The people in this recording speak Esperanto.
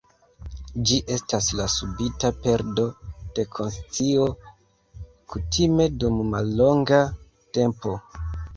Ĝi estas la subita perdo de konscio, kutime dum mallonga tempo.